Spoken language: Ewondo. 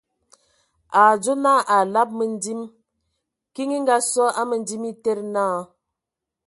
A a adzo naa a alab məndim, kiŋ e Ngaasɔ a mǝndim a etede naa :